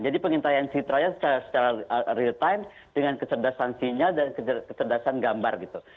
jadi pengintaian ceritanya secara real time dengan kecerdasan sinyal dan kecerdasan gambar gitu